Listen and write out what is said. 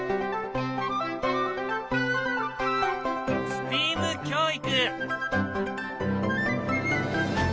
ＳＴＥＡＭ教育。